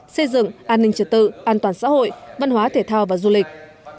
xây dựng an ninh trật tự an toàn xã hội văn hóa thể thao và du lịch